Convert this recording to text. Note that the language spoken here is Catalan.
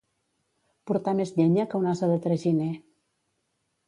Portar més llenya que un ase de traginer.